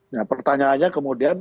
nah pertanyaannya kemudian